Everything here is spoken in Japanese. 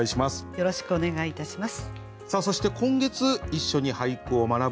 よろしくお願いします。